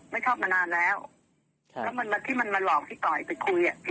ไม่ชอบมานานแล้วแล้วมันที่มันมาหลอกพี่ต่อยไปคุยอ่ะ